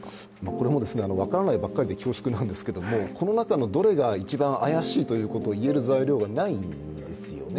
これも分からないばっかりで恐縮なんですけれども、この中のどれが一番怪しいということを言える材料がないんですよね。